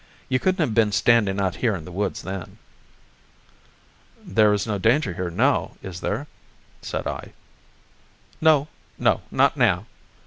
"You couldn't have been standing out here in the woods then." "There is no danger here now, is there?" said I. "No, no, not now."